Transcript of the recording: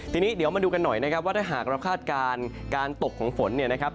ทีนี้เดี๋ยวมาดูกันหน่อยนะครับว่าถ้าหากเราคาดการณ์การตกของฝนเนี่ยนะครับ